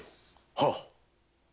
はっ。